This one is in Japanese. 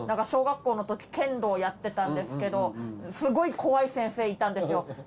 小学校のとき剣道やってたんですけどすごい怖い先生いたんですよ。